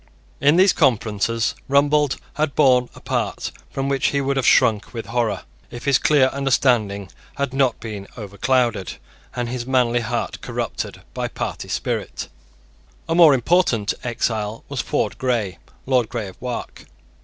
In these conferences Rumbold had borne a part from which he would have shrunk with horror, if his clear understanding had not been overclouded, and his manly heart corrupted, by party spirit. A more important exile was Ford Grey, Lord Grey of Wark.